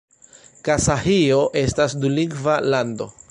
Kazaĥio estas dulingva lando.